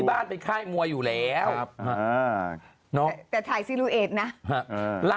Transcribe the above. อันนี้จริงหรอ